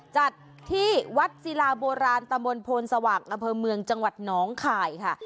จัดที่วัดศิลาโบราณตะมนต์โพนสว่างอำเภอเมืองจังหวัดหนองข่ายค่ะ